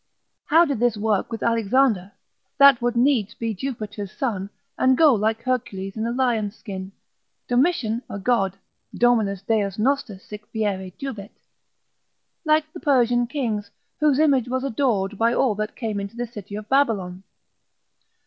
How did this work with Alexander, that would needs be Jupiter's son, and go like Hercules in a lion's skin? Domitian a god, (Dominus Deus noster sic fieri jubet,) like the Persian kings, whose image was adored by all that came into the city of Babylon.